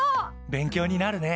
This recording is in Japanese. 勉強になるね。